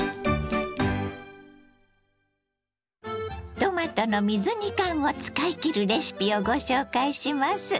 トマトの水煮缶を使いきるレシピをご紹介します。